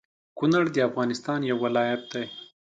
کونړ د افغانستان يو ولايت دى